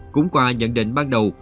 cũng qua nhận định ban đầu